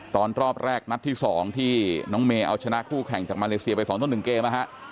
ตอนรอบแรกนัดที่๒ที่น้องเมเอาชนะคู่แข่งจากมาเลเซียไป๒๑เกม